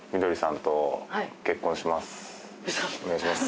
お願いします。